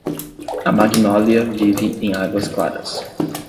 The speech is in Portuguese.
A Magnólia vive em Águas Claras.